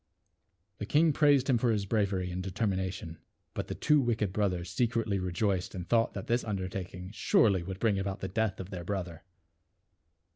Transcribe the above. The king praised him for his bravery and de termination j but the two wicked brothers secretly rejoiced and thought that this undertak ing surely would bring about the death of their brother.